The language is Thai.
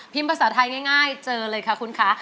ภาษาไทยง่ายเจอเลยค่ะคุณคะ